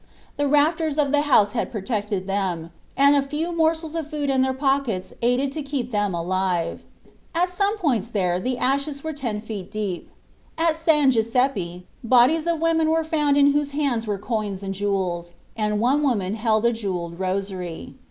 The rafters of the house had protected them, and a few morsels of food in their pockets aided to keep them alive. At some points there the ashes were ten feet deep. At San Giuseppe bodies of women were found in whose hands were coins and jewels, and one woman held a jewelled rosary.